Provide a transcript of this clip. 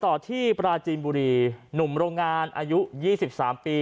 ต่อที่ปราจีนบุรีหนุ่มโรงงานอายุ๒๓ปี